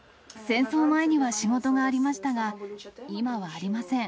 戦争前には仕事がありましたが、今はありません。